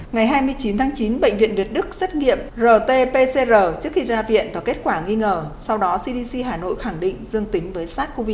ngày hai mươi chín tháng chín bệnh viện việt đức xét nghiệm rt pcr trước khi ra viện và kết quả nghi ngờ sau đó cdc hà nội khẳng định dương tính với sars cov hai